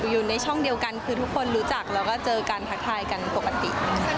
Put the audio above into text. อยู่ในช่องเดียวกันคือทุกคนรู้จักแล้วก็เจอกันทักทายกันปกติ